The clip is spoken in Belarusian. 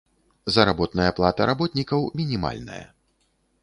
Заработная плата работнікаў мінімальная.